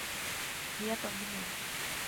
هي تعجبني.